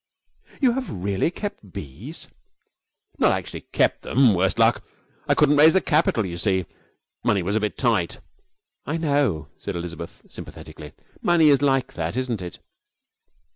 'You have really kept bees?' 'Not actually kept them, worse luck! I couldn't raise the capital. You see, money was a bit tight ' 'I know,' said Elizabeth, sympathetically. 'Money is like that, isn't it?'